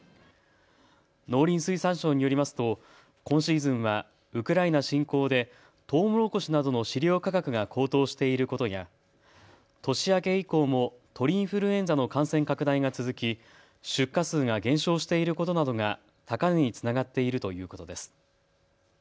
農林水産省によりますと今シーズンはウクライナ侵攻でとうもろこしなどの飼料価格が高騰していることや年明け以降も鳥インフルエンザの感染拡大が続き出荷数が減少していることなどが高値につながっているということです。